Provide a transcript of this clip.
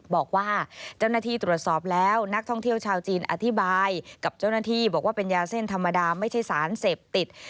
บอกว่าเจ้าหน้าที่ตรวจสอบแล้วนักท่องเที่ยวชาวจีนอธิบายกับเจ้าหน้าที่บอกว่าเป็นยาเส้นธรรมดาไม่ใช่สารเสพติด